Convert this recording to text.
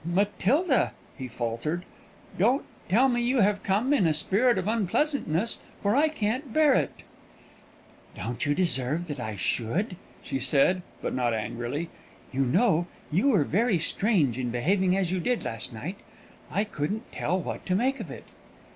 "Matilda," he faltered, "don't tell me you have come in a spirit of unpleasantness, for I can't bear it." "Don't you deserve that I should?" she said, but not angrily. "You know, you were very strange in behaving as you did last night. I couldn't tell what to make of it."